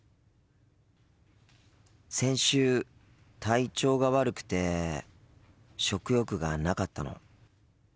先週体調が悪くて食欲がなかったの。